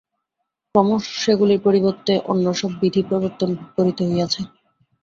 ক্রমশ সেগুলির পরিবর্তে অন্য সব বিধি প্রবর্তন করিতে হইয়াছে।